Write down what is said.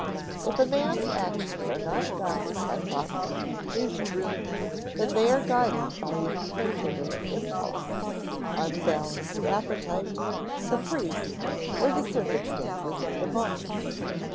If a man's actions are not guided by thoughtful conclusions, then they are guided by inconsiderate impulse, unbalanced appetite, caprice, or the circumstances of the moment.